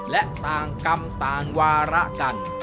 และต่างกรรมต่างวาระกัน